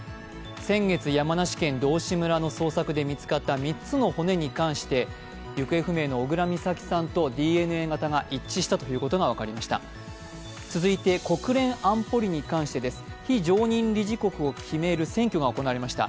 先月、山梨県道志村の捜索で見つかった３つの骨に関して行方不明の小倉美咲さんとＤＮＡ型が一致したということが分かりました。